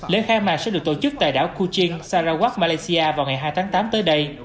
lễ khai mạng sẽ được tổ chức tại đảo kuching sarawak malaysia vào ngày hai tháng tám tới đây